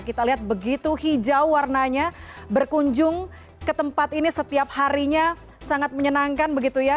kita lihat begitu hijau warnanya berkunjung ke tempat ini setiap harinya sangat menyenangkan begitu ya